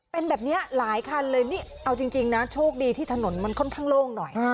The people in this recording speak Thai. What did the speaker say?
เป็นแบบนี้หลายคันเลยนี่เอาจริงนะโชคดีที่ถนนมันค่อนข้างโล่งหน่อย